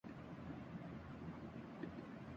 محافظ دائیں بائیں ہوتے ہیں۔